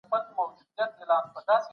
مادي سرمایه بې له پوهې بې ګټې ده.